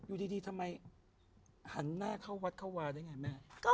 แล้วทำไมหันวัดเข้าวาติหรือละ